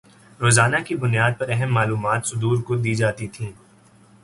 روزانہ کی بنیاد پر اہم معلومات صدور کو دی جاتی تھیں